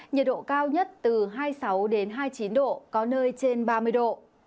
nhiệt độ cao nhất từ hai mươi sáu hai mươi chín độ có nơi trên ba mươi độ